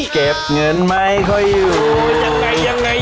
เก็บเงินไม่ค่อยอยู่